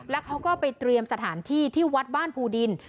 แล้วเขาก็ไปเตรียมสถานที่ที่วัดบ้านภูดิน